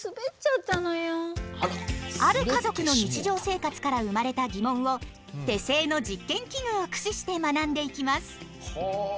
ある家族の日常生活から生まれた疑問を手製の実験器具を駆使して学んでいきます。